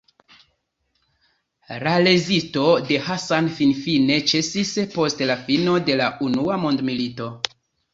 La rezisto de Hassan finfine ĉesis post la fino de la Unua Mondmilito.